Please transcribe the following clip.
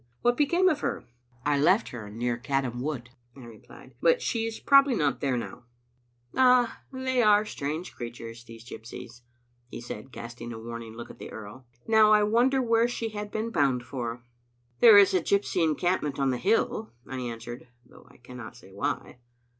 " What became of her?" "I left her near Caddam Wood," I replied, "but she is probably not there now." Digitized by VjOOQ IC m iTbe Xfttle Afnteter. "Ah, they are strange creatures, these gypsies! he said, casting a warning look at the earl. " Now I won der where she had been bound for." "There is a gypsy encampment on the hill," I an swered, though I cannot say why.